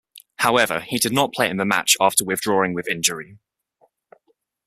However, he did not play in the match after withdrawing with injury.